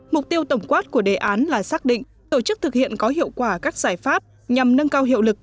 mục tiêu tổng quát của đề án là xác định tổ chức thực hiện có hiệu quả các giải pháp nhằm nâng cao hiệu lực